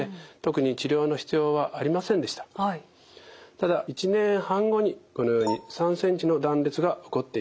ただ１年半後にこのように３ｃｍの断裂が起こっていました。